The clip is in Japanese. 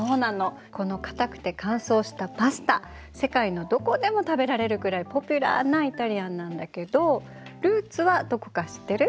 このかたくて乾燥したパスタ世界のどこでも食べられるくらいポピュラーなイタリアンなんだけどルーツはどこか知ってる？